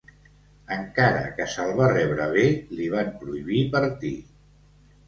Encara que se'l va rebre bé, li van prohibir partir.